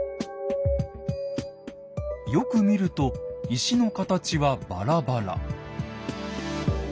よく見ると石の形はバラバラ。